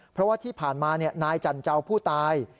เพราะว่าที่ผ่านมานายจันเจ้าผู้ตาย